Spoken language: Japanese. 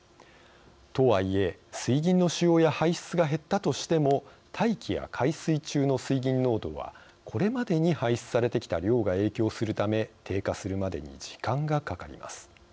とはいえ、水銀の使用や排出が減ったとしても大気や海水中の水銀濃度はこれまでに排出されてきた量が影響するため低下するまでに時間がかかります。